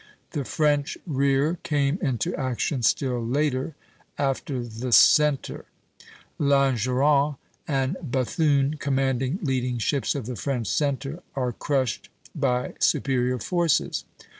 The French rear came into action still later, after the centre (A'', A'''). "Langeron and Bethune, commanding leading ships of the French centre, are crushed by superior forces."